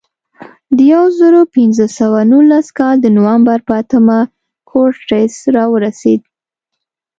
د یو زرو پینځه سوه نولس کال د نومبر په اتمه کورټز راورسېد.